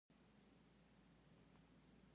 ایا نباتي حجره له حیواني حجرې توپیر لري؟